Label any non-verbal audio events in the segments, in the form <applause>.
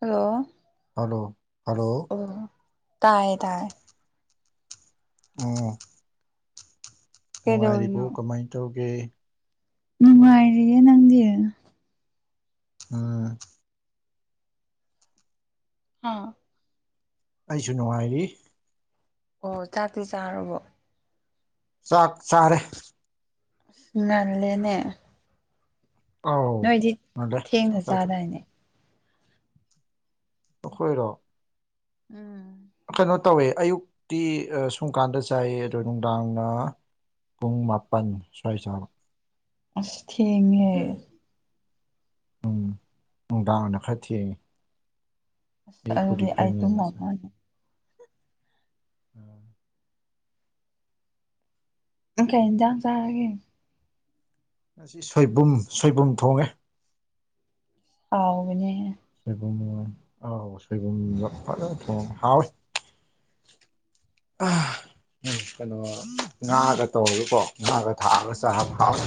Hello hello hello ꯑꯣ ꯇꯥꯏꯌꯦ ꯇꯥꯏꯌꯦ ꯑꯣ ꯅꯨꯡꯉꯥꯏꯔꯤꯕꯨ ꯀꯩꯗꯧꯔꯤꯅꯣ ꯀꯃꯥꯏ ꯇꯧꯒꯦ ꯅꯨꯡꯉꯥꯏꯔꯤꯌꯦ ꯅꯪꯗꯤ ꯑꯥ ꯍꯥꯥ ꯑꯩꯁꯨ ꯅꯨꯡꯉꯥꯏꯔꯤ ꯑꯣ ꯆꯥꯛꯇꯤ ꯆꯥꯔꯕꯣ ꯆꯥꯛ ꯆꯥꯔꯦ ꯅꯜꯂꯦꯅꯦ ꯑꯧ ꯅꯣꯏꯗꯤ ꯉꯜꯂꯦ ꯆꯥꯛ ꯊꯦꯡꯅ ꯆꯥꯊꯣꯛꯑꯦ ꯆꯥꯗꯥꯏꯅꯦ ꯑꯩꯈꯣꯏꯔꯣ ꯎꯝ ꯀꯩꯅꯣ ꯇꯧꯋꯦ ꯑꯌꯨꯛꯇꯤ ꯁꯨꯝꯀꯥꯟꯗ ꯆꯥꯏꯌꯦ ꯑꯗꯣ ꯅꯨꯡꯗꯥꯡꯅ ꯄꯨꯡ ꯃꯥꯄꯟ ꯁ꯭ꯋꯥꯏ ꯆꯥꯕ ꯑꯁ ꯊꯦꯡꯉꯦ ꯎꯝ ꯅꯨꯡꯗꯥꯥꯡꯅ ꯈꯔ ꯊꯦꯡꯉꯦ ꯑꯁ ꯑꯌꯨꯛꯄꯨꯗꯤ ꯑꯗꯨꯗꯤ ꯈꯔ ꯑꯩ ꯉꯜꯂꯁꯨ ꯇꯨꯝꯃꯝꯃꯅꯤ ꯎꯝ ꯑ ꯀꯩ ꯏꯟꯖꯥꯡ ꯆꯥꯔꯒꯦ ꯉꯁꯤ ꯁꯣꯏꯕꯨꯝ ꯁꯣꯏꯕꯨꯝ ꯊꯣꯡꯉꯦ ꯍꯥꯎꯕꯅꯦ ꯁꯣꯏꯕꯨꯝ <inaudible> ꯁꯣꯏꯕꯨꯝꯗꯣ ꯐꯖꯅ ꯊꯣꯡꯉꯒ ꯍꯥꯎꯋꯦ ꯀꯩꯅꯣ ꯉꯥꯒ ꯇꯧꯔꯒꯀꯣ ꯉꯥꯒ ꯊꯥꯛꯑꯒ ꯆꯥꯕ ꯎꯝ ꯍꯥꯎꯋꯦ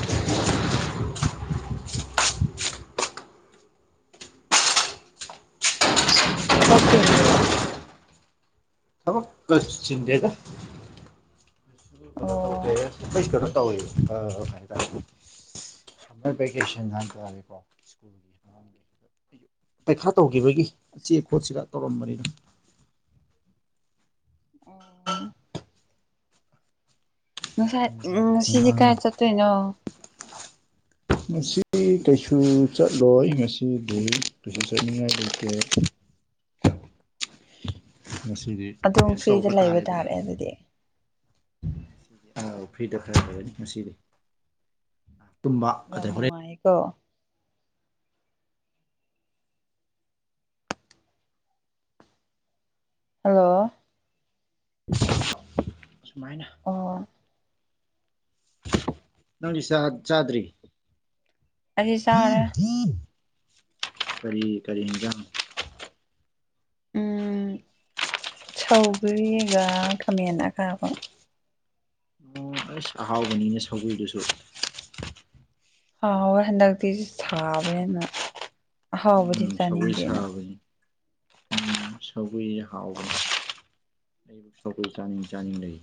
ꯊꯕꯛ ꯆꯤꯟꯕꯔꯣ ꯊꯕꯛ ꯀꯩꯁꯨ ꯆꯤꯟꯗꯦꯗ ꯑꯣ ꯀꯩꯅꯣ ꯇꯧꯗꯦ ꯑꯩꯩ ꯁꯤꯗꯒ <inaudible> ꯇꯧꯋꯦꯕ ꯑꯥ ꯍꯥꯏꯇꯥꯔꯦ <inaudible> ꯄꯩꯈꯥ ꯇꯧꯈꯤꯕꯒꯤ ꯆꯦ ꯈꯣꯠꯁꯤꯔꯅ ꯇꯧꯔꯝꯕꯅꯤꯗ ꯑꯣ ꯉꯁꯥꯏ ꯎꯝ ꯉꯁꯤꯗꯤ ꯑꯉꯥꯡ ꯀꯥꯏ ꯆꯠꯇꯣꯏꯅꯣ ꯉꯁꯤꯗꯤ ꯀꯩꯁꯨ ꯆꯠꯂꯣꯏ ꯉꯁꯤꯗꯤ ꯀꯩꯁꯨ ꯆꯠꯅꯤꯡꯉꯥꯏ ꯂꯩꯇꯦ ꯉꯁꯤꯗꯤ ꯑꯗꯨꯝ ꯔꯦꯁ ꯐ꯭ꯔꯤꯗ ꯇꯧꯕ ꯂꯩꯕ ꯇꯥꯔꯦꯗꯅ ꯇꯥꯔꯦ ꯑꯗꯨꯗꯤ ꯑꯧ ꯐ꯭ꯔꯤꯗ ꯈꯔ ꯂꯩꯔꯅꯤ ꯉꯁꯤꯗꯤ ꯇꯨꯝꯕ ꯌꯥꯝ ꯑꯗꯩ ꯍꯣꯔꯦꯟ ꯅꯨꯡꯉꯥꯏꯌꯦꯀꯣ ꯍꯜꯂꯣ <inaudible> ꯁꯨꯃꯥꯏꯅ ꯑꯣ ꯅꯪꯗꯤ ꯆꯥ ꯆꯥꯗ꯭ꯔꯤ ꯑꯩꯗꯤ ꯆꯥꯔꯦ ꯀꯔꯤ ꯀꯔꯤ ꯍꯤꯟꯖꯥꯡ ꯎꯝ ꯁꯧꯒꯔꯤꯒ ꯈꯃꯦꯟ ꯑꯈꯥꯕ ꯑꫭ ꯑꯁ ꯑꯍꯥꯎꯕꯅꯤꯅ‌ꯦ ꯁꯧꯒ꯭ꯔꯤꯗꯨꯁꯨ ꯍꯥꯎꯋꯦ ꯍꯟꯗꯛꯇꯤ ꯁꯥꯕꯅꯦꯅ ꯑꯍꯥꯎꯕꯗꯤ ꯎꯝ ꯁꯒꯣꯏ ꯆꯥꯅꯤꯡꯗꯦꯅ ꯁꯥꯕꯅꯤ ꯎꯝ ꯁꯧꯒ꯭ꯔꯤꯖ‌ꯦ ꯍꯥꯎꯕꯅꯤ ꯑꯩꯕꯨ ꯁꯧꯒꯔꯤ ꯆꯥꯅꯤꯡ ꯆꯥꯅꯤꯡ ꯂꯩ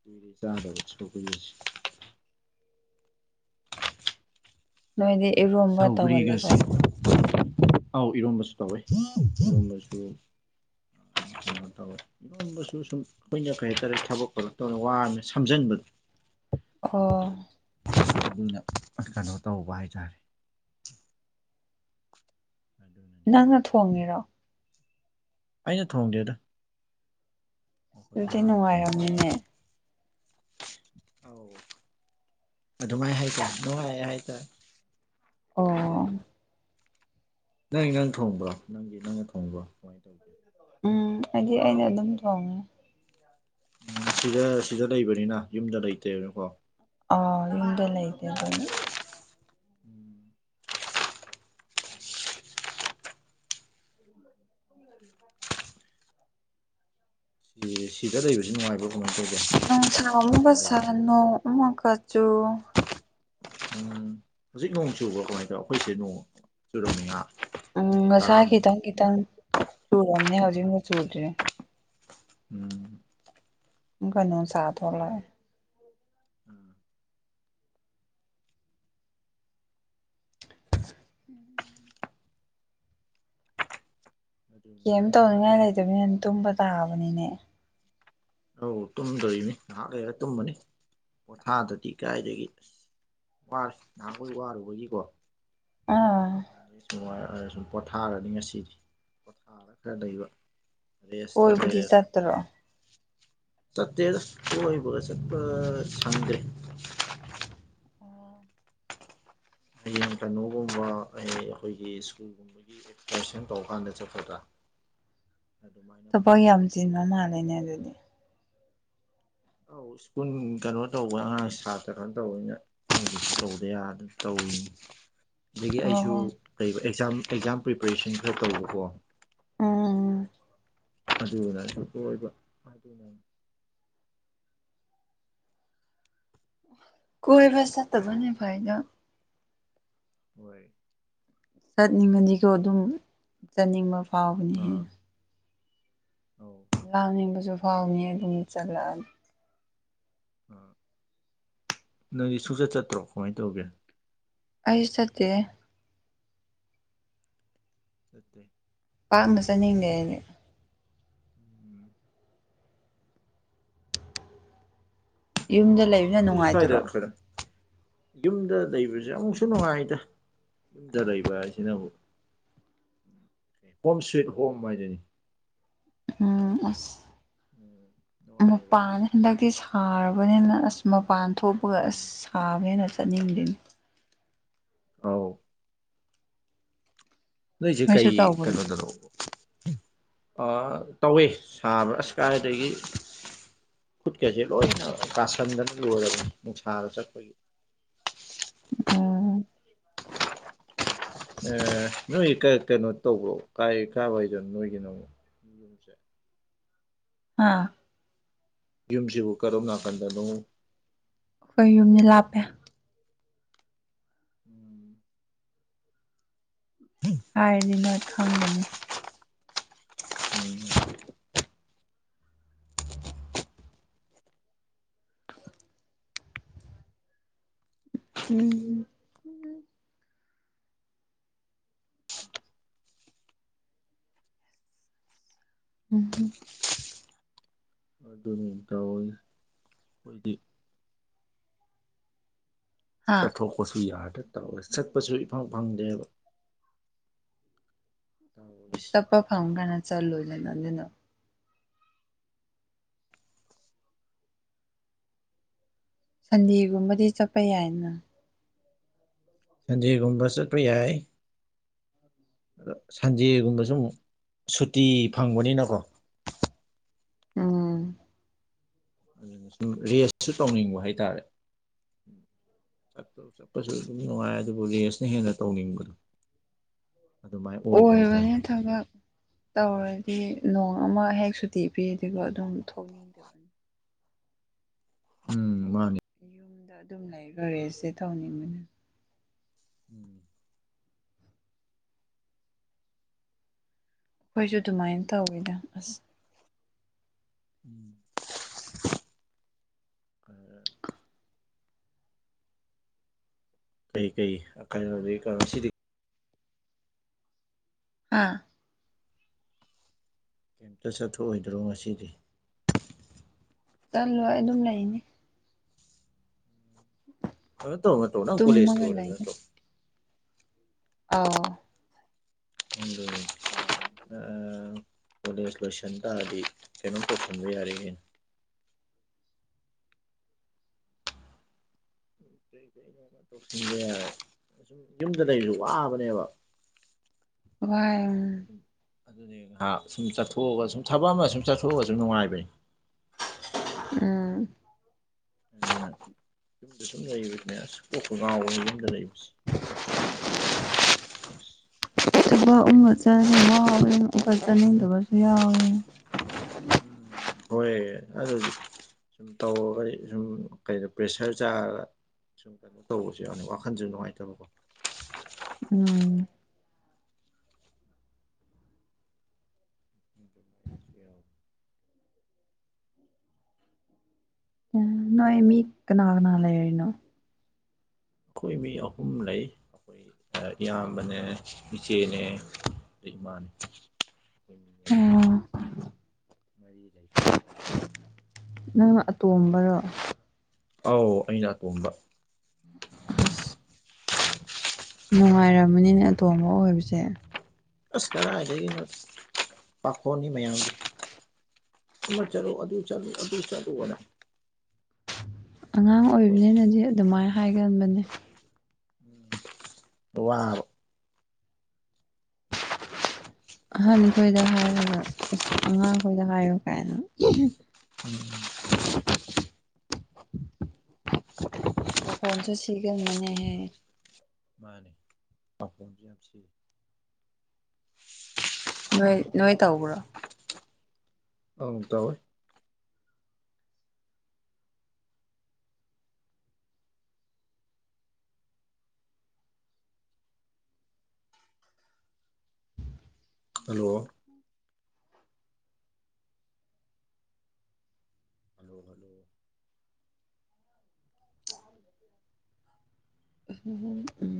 ꯀꯨꯏꯔꯦ ꯆꯥꯗꯕ ꯁꯧꯒꯔꯤꯁ‌ꯦ ꯅꯣꯏꯗꯤ ꯏꯔꫭꯝ ꯁꯧꯒꯔꯤꯒ <unintelligible> ꯑꯥꯎ ꯏꯔꯣꯟꯝꯕꯁꯨ ꯇꯧꯋꯦ ꯏꯔꯣꯝꯕꯁꯨ ꯇꯧꯋꯦ ꯏꯔꫭꯝꯕꯁꯨ ꯁꯨꯝ ꯑꯩꯈꯣꯏꯅ ꯀꯩ ꯍꯥꯏꯇꯥꯔꯦ ꯊꯕꯛ ꯈꯔ ꯇꯧꯔ ꯋꯥꯕꯅꯤꯅ ꯁꯝꯖꯟꯕꯗꯣ ꯈꫭ ꯑꯗꯨꯅ ꯀꯩꯅꯣ ꯇꯧꯕ ꯍꯥꯏꯇꯥꯔꯦ ꯑꯗꯨꯅꯦ ꯅꯪꯅ ꯊꯣꯡꯉꯤꯔꯣ ꯑꯩꯅ ꯊꯣꯡꯗꯦꯗ ꯑꯩꯈꯣꯏ ꯑꯗꯨꯗꯤ ꯏꯃꯥꯅ ꯊꫭꯡꯉꯤ ꯅꯨꯡꯉꯥꯏꯔꯝꯅꯤꯅꯦ ꯑꯥꯎ ꯑꯗꯨꯃꯥꯏ ꯍꯥꯏꯇꯥꯔꯦ ꯅꯨꯡꯉꯥꯏ ꯍꯥꯏꯇꯥꯔꯦ ꯑꯣ ꯅꯪ ꯏꯟꯖꯥꯡ ꯊꯣꯡꯕ꯭ꯔꯣ ꯅꯪꯒꯤ ꯅꯪꯅ ꯊꯣꯡꯕ꯭ꯔꯣ ꯀꯃꯥꯏꯅ ꯇꯧꯒꯦ ꯎꯝ ꯑꯩꯗꯤ ꯑꯩꯅ ꯑꯗꯨꯝ ꯊꯣꯡꯉꯦ ꯎꯝ ꯁꯤꯗ ꯁꯤꯗ ꯂꯩꯕꯅꯤꯅ ꯌꯨꯝꯗ ꯂꯩꯇꯦꯅꯀꯣ ꯑ ꯌꯨꯗ ꯂꯩꯇꯦ ꯑꯈꯣꯏꯒꯤ <inaudible> <unintelligible> ꯁꯤꯗ ꯂꯩꯕꯁꯤꯥ ꯅꯨꯡꯉꯥꯏꯕꫭ ꯀꯃꯥꯏ ꯇꯧꯒꯦ ꯅꯨꯡꯁꯥ ꯑꯃꯨꯛꯀ ꯁ꯭ꯋꯥꯏꯗ ꯁꯥ ꯂꯩꯕꯁꯦ ꯅꯣꯡ ꯑꯃꯨꯛꯀ ꯆꯨ ꯎꯝ ꯍꯧꯖꯤꯛ ꯅꯣꯡ ꯆꯨꯕꯔꫭ ꯀꯃꯥꯏꯅ ꯇꯧ ꯑꯩꯈꯣꯏꯁꯤ ꯅꯣꯡ ꯆꯨꯨꯔꯝꯃꯤ ꯉꯍꯥꯛ ꯎꯝ ꯃꯤꯅꯤꯠ ꯉꯁꯥ ꯇꯔꯥꯃꯨꯛ ꯈꯤꯇꯪ ꯈꯤꯇꯪ ꯆꯨꯔꯝꯅꯦ ꯍꯧꯖꯤꯛ ꯑꯃꯨꯛ ꯆꯨꯗ꯭ꯔ‌ꯦ ꯎꯝ ꯑꯃꯨꯀ ꯅꯨꯡꯁꯥ ꯊꫭꯛꯂꯛꯑ‌ꯦ ꯑꯗꯨꯅꯦ ꯑꯥ ꯑꯗꯨꯅꯦ ꯀꯦꯝ ꯇꯧꯅꯤꯡꯉꯥꯏ ꯇꯧꯔꯤꯁꯤ ꯂꯩꯇꯕꯅꯤꯅꯥ ꯑꯗꯨꯝ ꯇꯨꯝꯕ ꯇꯥꯕꯅꯤꯅꯦ ꯑꯧ ꯇꯨꯝꯗꯣꯅꯤ ꯉꯥꯏꯍꯥꯛ ꯂꯩꯔ ꯇꯨꯝꯃꯅꯤ ꯄꯣꯊꯥꯗꯗꯤ ꯀꯥꯏꯗꯒꯤ ꯑꯁ ꯋꯥꯔ‌ꯦ ꯅꯍꯥꯟꯒꯩ ꯋꯥꯔꯨꯕꯒꯤꯀꯣ ꯑꯥ ꯑꯗꯩ ꯅꯨꯉꯥꯏꯔ ꯁ ꯄꯣꯊꯥꯔꯅꯤ ꯉꯁꯤꯗꯤ ꯄꯣꯊꯥꯔꯒ ꯂꯩꯕ ꯔꯦꯁꯇ ꯀꯣꯏꯕꯗꯤ ꯂꯩꯔꯦꯗ ꯆꯠꯇ꯭ꯔꯣ ꯇꯠꯇꯦꯗ ꯀꯣꯏꯕꯒ ꯆꯠꯄ ꯁꯪꯗꯔ‌ꯦ ꯑꯧ ꯍꯌꯦꯡ ꯀꯩꯅꯣꯒꯨꯝꯕ ꯑꯩ ꯑꯩꯈꯣꯏꯒꯤ ꯁ꯭ꯀꯨꯜꯒꯨꯝꯕ ꯑꯦꯁꯀꯥꯁꯁꯟ ꯇꯧ ꯀꯥꯟꯗ ꯆꯠꯀꯗ꯭ꯔꯥ ꯑꯗꯨꯃꯥꯏꯅ ꯊꯕꯛ ꯄꯨꯂꯞ ꯌꯥꯝ ꯄꯨꯂꯞ ꯆꯤꯟꯕ ꯇꯧꯔꯀꯥꯟꯗ ꯃꯥꯜꯂꯦꯅꯦ ꯑꯗꯨꯗꯤ ꯑꯧ ꯁ꯭ꯀꯨꯜ ꯀꯩꯅꯣ ꯇꯧꯕ ꯑꯉꯥꯡ ꯁꯥꯇ꯭ꯔ ꯀꯩꯅꫭ ꯇꯧꯕꯅꯤꯅ ꯃꫭꯏꯁꯨ ꯇꯧꯗ ꯌꯥꯗ ꯇꯧꯔꯤꯅꯤ ꯑꯗꯒꯤ ꯑꯩꯁꯨ ꯑꯣ ꯀꯩ ꯑꯦꯛꯖꯥꯝ ꯑꯦꯛꯖꯥꯝ ꯄ꯭ꯔꯤꯄꯦꯔꯦꯁꯟ ꯈꯔ ꯇꯧꯕꯀꯣ꯫ ꯑꯝ ꯑꯗꯨꯅꯁꯨ ꯑꯣꯏꯕ ꯑꯗꯨꯅꯅꯤ꯫ ꯀꯣꯏꯕ ꯆꯠꯇꯕꯅꯗꯤ ꯐꯩꯗ ꯍꯣꯏ ꯆꯠꯅꯤꯡꯉꯗꯤꯀꯣ ꯑꯗꯨꯝ ꯆꯠꯅꯤꯡꯕ ꯐꯥꯎꯕꯅꯦꯍꯦ꯫ ꯑꯥ ꯑꯧ ꯂꯥꯡꯅꯤꯡꯕꯁꯨ ꯐꯥꯎꯅꯤ ꯑꯗꯨꯝ ꯆꯠꯂꯛꯑꯗꯤ ꯑꯝ ꯅꯣꯏꯗꯤ ꯁꯨꯡꯆꯠ ꯆꯠꯇ꯭ꯔꯣ ꯀꯃꯥꯏꯅ ꯇꯧꯒꯦ꯫ ꯑꯩ ꯆꯠꯇꯦ ꯆꯠꯇꯦ ꯄꯥꯛꯅ ꯆꯠꯅꯤꯡꯗꯦ ꯑꯩꯗꯤ꯫ ꯎꯝ ꯌꯨꯝꯗ ꯂꯩ__ ꯑꯗꯨꯗꯤ ꯁꯨ꯭ꯋꯥꯏꯗ ꯈꯔ__ ꯌꯨꯝꯗ ꯂꯩꯕꯁꯤ ꯑꯃꯨꯛꯁꯨ ꯅꯨꯡꯉꯥꯏꯗ ꯌꯨꯝꯗ ꯂꯩꯕ ꯍꯥꯏꯁꯤꯅ ꯑꯃꯨꯛ꯫ ꯍꯣꯝ ꯁ꯭ꯋꯤꯠ ꯍꯣꯝ ꯍꯥꯏꯗꯨꯅꯤ꯫ ꯎꯝ ꯑꯁ ꯎꯝ ꯅꯨꯡꯉꯥꯏꯕ ꯃꯄꯥꯥꯟꯅꯦ꯫ ꯍꯟꯗꯛꯇꯤ ꯁꯥꯔꯕꯅꯤꯅ ꯑꯁ ꯃꯄꯥꯟ ꯊꯣꯛꯄꯒ ꯑꯁ ꯎꯝ ꯁꯥꯕꯅꯤꯅ ꯆꯠꯅꯤꯡꯗꯦꯅꯦ꯫ ꯑꯧ ꯅꯣꯏꯖꯦ ꯅꯣꯏꯁꯨ ꯀꯩ ꯇꯧꯕ꯭ꯔꯣ ꯀꯩꯅꯣꯗꯅꯣ꯫ ꯑꯥ ꯇꯧꯋꯦ ꯁꯥꯕ ꯑꯁ ꯀꯥꯏꯗꯒꯤ꯫ ꯈꯨꯠꯀꯁꯦ ꯂꯣꯏꯅ ꯀꯥꯁꯟꯗꯅ ꯂꯣꯏꯔꯕꯅꯤ ꯅꯨꯡꯁꯥꯗ ꯆꯠꯄꯒꯤ꯫ ꯎꯝ ꯑꯥ ꯅꯣꯏ ꯀꯩ ꯀꯩꯅꯣ ꯇꯧꯕꯣ ꯀꯥꯏ ꯀꯥꯏꯋꯥꯏꯗꯅꯣ ꯅꯣꯏꯒꯤꯅ ꯑꯃꯨꯛ꯫ ꯌꯨꯝꯁꯦ꯫ ꯍꯥꯥ ꯌꯨꯝꯁꯤꯕꯨ ꯀꯗꯣꯝ ꯅꯥꯀꯟꯗꯅꯣ꯫ ꯑꯩꯈꯣꯏ ꯌꯨꯝꯗꯤ ꯂꯥꯞꯄꯦ꯫ ꯎꯝ ꯎꯝ <inaudible> ꯍꯥꯏꯔꯗꯤ ꯅꯣꯏ ꯈꯪꯒꯅꯤ꯫ ꯎꯝ ꯎꯝ ꯎꯝ ꯍꯝ ꯑꯗꯨꯅꯤꯅꯦ ꯇꯧꯔꯤꯁꯦ ꯑꯈꯣꯏꯗꯤ꯫ ꯍꯥ ꯆꯠꯊꯣꯛꯄꯁꯨ ꯌꯥꯗ ꯇꯧꯔꯤꯁꯦ ꯆꯠꯄꯁꯨ ꯏꯐꯪ ꯐꯪꯗꯦꯕ꯫ ꯇꯧꯔꯤꯁꯦ ꯊꯕꯛ ꯍꯥꯟꯕꯒꯥꯟꯗ ꯆꯠꯂꯨꯗꯅ ꯑꯗꯨꯅ <unintelligible> ꯁꯟꯗꯦꯒꯨꯝꯕꯗꯤ ꯆꯠꯄ ꯌꯥꯏꯅ꯫ ꯁꯟꯗꯦꯒꯨꯝꯕ ꯆꯠꯄ ꯌꯥꯏ꯫ ꯑꯗ ꯁꯟꯖꯦꯒꯨꯝꯕꯁꯨ ꯑꯃꯨꯛ ꯁꯨꯇꯤ ꯐꯪꯕꯅꯤꯅꯀꯣ꯫ ꯎꯝ ꯑꯗꯨꯅ ꯁꯨꯝ ꯔꯦꯁꯁꯨ ꯇꯧꯅꯤꯡꯕ ꯍꯥꯏꯇꯥꯔꯦ꯫ ꯆꯠꯄ ꯆꯠꯄꯁꯨ ꯑꯗꯨꯝ ꯅꯨꯡꯉꯥꯏ ꯑꯗꯨꯕꯨ ꯔꯦꯁꯅ ꯍꯦꯟꯅ ꯇꯧꯅꯤꯡꯕꯗꯣ꯫ ꯑꯗꯨꯃꯥꯏꯅ ꯑꯣꯏꯕ ꯍꯥꯏꯇꯥꯔꯦ꯫ ꯊꯥꯕꯛ ꯇꯧꯔꯗꯤ ꯅꯣꯡ ꯑꯃꯥ ꯍꯦꯛ ꯁꯨꯇꯤ ꯄꯤꯗꯕ ꯑꯗꯨꯝ ꯊꯣꯛ <inaudible> ꯎꯝ ꯃꯥꯅꯦ ꯌꯨꯝꯗ ꯑꯗꯨꯝ ꯂꯩꯒ ꯔꯦꯁꯁꯦ ꯊꯧꯅꯤꯡꯕꯅꯤ <inaudible> ꯑꯩꯈꯣꯏꯁꯨ ꯑꯗꯨꯃꯥꯏꯟ ꯇꯧꯋꯤꯗ ꯑꯁ <inaudible> ꯀꯩ ꯀꯩ <unintelligible> ꯉꯁꯤꯗꯤ ꯑꯥ ꯆꯠꯊꯣꯛ ꯑꯣꯏꯗ꯭ꯔꯣ ꯉꯁꯤꯗꯤ ꯆꯠꯂꯣꯢ ꯑꯗꯨꯝ ꯂꯩꯅꯤ ꯑꯗꯨꯗ ꯇꯧ <unintelligible> ꯅꯪ ꯀꯣꯂꯦꯁ ꯇꯨꯝꯃꯒ ꯂꯣꯏꯔꯝ ꯅꯠꯇ꯭ꯔꯣ ꯑꯧ ꯑꯗꯨꯅꯤ ꯂꯣꯏꯔꯦ ꯑꯥ ꯀꯣꯂꯦꯖ ꯂꯣꯏꯁꯟ ꯇꯥꯔꯗꯤ ꯀꯩꯅꯣꯝ ꯇꯧꯁꯟꯕ ꯌꯥꯔꯦ ꯀꯩꯅꯣ <unintelligible> ꯌꯨꯝꯗ ꯂꯩꯕꯁꯨ ꯋꯥꯕꯅꯦꯕ ꯋꯥꯢ ꯎꯝ ꯑꯗꯨꯅꯦ ꯉꯏꯍꯥꯛ ꯁꯨꯝ ꯆꯠꯊꯣꯛꯑꯒ ꯁꯨꯝ ꯊꯥꯕꯛ ꯑꯃ ꯁꯨꯝ ꯆꯠꯊꯣꯛ ꯑꯒꯁꯨꯨꯝ ꯅꯨꯡꯉꯥꯏꯕꯅꯤ ꯎꯝ ꯑꯗꯨꯅ ꯌꯨꯝꯗ ꯁꯨꯝ ꯂꯩꯕꯁꯨꯅꯦ ꯀꯣꯛꯀ ꯉꯥꯎꯕꯅꯤ ꯌꯨꯝꯗ ꯂꯩꯕꯁꯤ <unintelligible> ꯊꯥꯕꯛ <unintelligible> ꯑꯃꯨꯛꯀ ꯆꯠꯅꯤꯡꯗꯕꯁꯨ ꯌꯥꯎꯋꯦ ꯎꯝ ꯍꯣꯏ ꯑꯗꯨꯗꯤ ꯁꯨꯝ ꯇꯧꯔꯒ ꯁꯨꯝ ꯀꯩꯗꯣ ꯄ꯭ꯔꯦꯁꯔ ꯆꯥꯔꯒ ꯁꯨꯝ ꯀꯩꯅꯣ ꯇꯧꯕꯁꯨ ꯌꯥꯕꯅꯤ ꯋꯥꯈꯟꯁꯨ ꯅꯨꯡꯉꯥꯏꯇꯕꯀꯣ ꯎꯝ <unintelligible> ꯅꯣꯏ ꯃꯤ ꯀꯅꯥ ꯀꯅꯥ ꯂꯩꯔꯤꯅꯣ ꯑꯩꯈꯣꯏ ꯃꯤ ꯑꯍꯨꯝ ꯂꯩ ꯑꯩꯈꯣꯏ ꯏꯌꯥꯝꯕꯅꯦ ꯏꯆꯦꯅꯦ ꯑꯗꯩ ꯏꯃꯥꯅꯦ ꯑꯩꯈꯣꯏ ꯃꯤ ꯃꯔꯤ ꯑꯣ ꯃꯔꯤ ꯂꯩ ꯅꯪꯅ ꯑꯇꯣꯝꯕꯔꯣ ꯑꯧ ꯑꯩꯅ ꯑꯇꯣꯝꯕ ꯑꯁ ꯅꯨꯡꯉꯥꯏꯔꯝꯃꯅꯤꯅꯦ ꯑꯇꯣꯝꯕ ꯑꯣꯏꯕꯁꯦ ꯑꯁ ꯀꯔꯥꯏꯗꯒꯤꯅꯣ ꯄꯥꯈꯣꯟꯅꯤ ꯃꯌꯥꯝꯒꯤ ꯑꯃ ꯆꯠꯂꯨ ꯑꯗꯨ ꯆꯠꯂꯨ ꯑꯗꯨ ꯆꯠꯂꯨ ꯍꯥꯏꯅ ꯑꯉꯥꯡ ꯑꯩꯈꯣꯏꯁꯦ ꯑꯣꯏꯕꯅꯤꯅꯗꯤ ꯑꯗꯨꯃꯥꯏꯟ ꯍꯥꯏꯒꯟꯕꯅꯦ ꯎꯝ ꯋꯥꯕ <inaudible> ꯑꯍꯟ ꯈꯣꯏꯗ ꯍꯥꯏꯔꯣꯗ ꯑꯁ ꯑꯉꯥꯡ ꯈꯣꯏꯗ ꯍꯥꯏꯌꯨ ꯀꯥꯏꯅ ꯎꯝ ꯈꯣꯟꯁꯦ ꯁꯤꯒꯟꯕꯅꯦꯍꯦ <unintelligible> ꯅꯣꯏ ꯅꯣꯏ ꯇꯧꯕ꯭ꯔꯣ ꯑꯧ ꯇꯧꯋꯦ hello hello hello <unintelligible>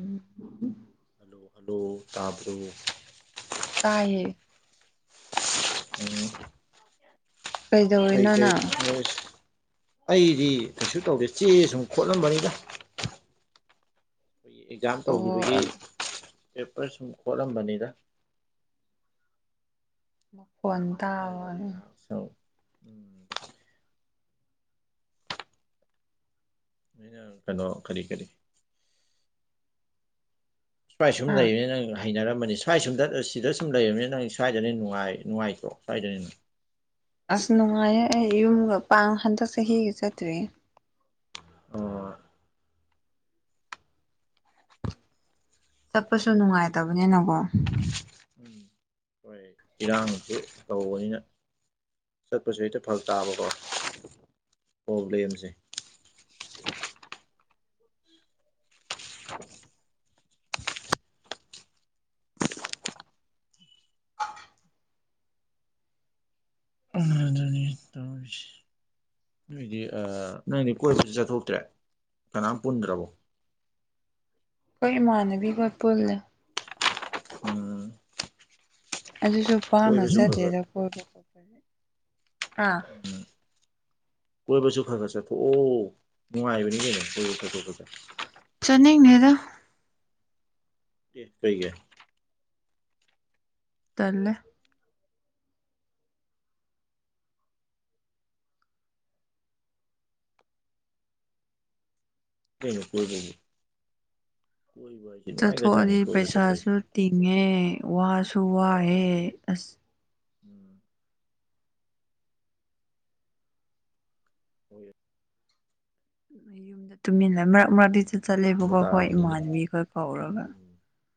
hello hello ꯇꯥꯕ꯭ꯔꯣ ꯇꯥꯢꯌꯦ <unintelligible> ꯀꯩ ꯀꯩꯗꯧꯔꯤꯅꯣ ꯀꯩ ꯅꯪ <unintelligible> ꯑꯩꯗꯤ ꯀꯩꯁꯨ ꯇꯧꯗꯦ ꯆꯦ ꯁꯨꯝ ꯈꯣꯠꯂꯝꯕꯅꯤꯗ ꯑꯦꯛꯖꯥꯝ ꯑꯣ ꯇꯧꯒꯤꯕꯒꯤ ꯄꯦꯄꯔ ꯁꯨꯝ ꯈꯣꯠꯂꯝꯕꯅꯤꯗꯥ ꯃꯈꯣꯟ ꯇꯥꯕ ꯑꯗꯨꯗꯤ ꯋꯥꯅꯤ ꯉꯥꯏꯍꯥꯛ ꯁꯨꯝ ꯎꯝ ꯑꯩꯅ ꯀꯩꯅꯣ ꯀꯔꯤ ꯀꯔꯤ ꯁꯋ꯭ꯥꯏ‌ ꯁꯨꯝ ꯍꯥ ꯂꯩꯔꯦꯅꯦ ꯅꯪ ꯍꯩꯅꯔꯝꯃꯅꯤ ꯁ꯭ꯋꯥꯏ ꯁꯨꯝꯗ ꯁꯤꯗ ꯁꯨꯝ ꯂꯩꯔꯕꯅꯤꯅ ꯅꯪ ꯁ꯭ꯋꯥꯏꯗꯅ ꯍꯦꯟ ꯅꯨꯡꯉꯥꯏ ꯅꯨꯡꯉꯥꯏꯇ꯭ꯔꯣ ꯁ꯭ꯋꯥꯏꯗꯅ ꯍꯦꯟꯅ ꯑꯁ ꯅꯨꯡꯉꯥꯏꯌꯦ ꯑꯩ ꯌꯨꯝꯒ ꯄꯥꯡ ꯍꯟꯗꯛ ꯆꯍꯤꯒꯤ ꯆꯠꯇ꯭ꯔꯤꯌꯦ ꯑꯣ ꯆꯠꯄꯁꯨ ꯅꯨꯡꯉꯥꯏꯇꯕꯅꯤꯅꯒꯣ ꯎꯝ ꯍꯣꯏ ꯏꯔꯥꯡꯁꯨ ꯇꯧꯕꯅꯤꯅꯥ ꯆꯠꯄꯁꯨ ꯍꯦꯛꯇ ꯐꯔꯛ ꯇꯥꯕꯀꯣ ꯄꯣꯕ꯭ꯂꯦꯝꯖꯦ <unintelligible> ꯎꯝꯑꯗꯨꯅꯤ ꯇꯧꫪꯤꯁꯤ ꯅꯣꯏꯗꯤ ꯑ ꯅꯪꯗꯤ ꯀꯣꯏꯕꯖꯨ ꯆꯠꯊꯣꯛꯇ꯭ꯔꯦ ꯀꯅꯥꯝ ꯄꯨꯟꯗ꯭ꯔꯕꯣ ꯈꯣꯏ ꯏꯃꯥꯟꯅꯕꯤꯍꯣꯏ ꯄꯨꯜꯂꯦ ꯎꯝ ꯑꯗꯨꯁꯨ ꯄꯥꯡꯅ ꯀꯣꯏꯕꯁꯨ ꯈꯔ ꯈꯔ ꯆꯠꯇꯦꯗ ꯀꯣꯏꯕ ꯈꯣꯠꯄ ꯑꯥ ꯎꯝ ꯀꯣꯏꯕꯁꯨ ꯈ ꯈ ꯆꯠꯊꯣꯛꯑꯣ ꯅꯨꯡꯉꯥꯏꯕꯅꯤ ꯀꯩꯅꯣ ꯀꯣꯏꯕ ꯆꯠꯊꯣꯛꯄꯁꯦ ꯆꯅꯤꯡꯗꯦꯗ ꯑꯦ ꯀꯩꯒꯤ ꯇꯜꯂꯦ ꯀꯩꯅꯣ ꯀꯣꯏꯕꯕꯨ ꯀꯣꯏꯕ ꯍꯥꯏ ꯆꯠꯊꯣꯛꯑꯗꯤ ꯄꯩꯁꯥꯁꯨ ꯇꯤꯡꯉꯦ ꯋꯥꯁꯨ ꯋꯥꯏꯌꯦ ꯎꯝ ꯑꯁ ꯎꯝ ꯍꯣꯏꯌꯦ ꯈꯣꯏ ꯌꯨꯝꯗ ꯇꯨꯃꯤꯟꯅ ꯃꯔꯛ ꯃꯔꯛꯗꯤ ꯆ ꯆꯠꯂꯦꯕꯀꯣ ꯍꯣꯏ ꯇꯥꯕꯅꯤꯅꯦ ꯏꯃꯥꯟꯕꯤꯈꯣꯏ ꯀꯧꯔꯒ ꯌꯨꯝ